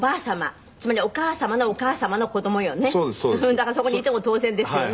だからそこにいても当然ですよね。